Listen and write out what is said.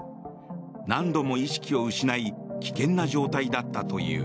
何度も意識を失い危険な状態だったという。